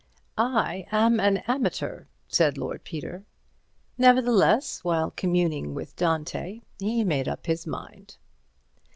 "I am an amateur," said Lord Peter. Nevertheless, while communing with Dante, he made up his mind.